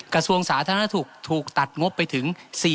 กระทรวงสาธารณสุขถูกตัดงบไปถึง